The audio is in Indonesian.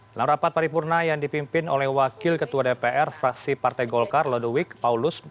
dalam rapat paripurna yang dipimpin oleh wakil ketua dpr fraksi partai golkar lodewik paulus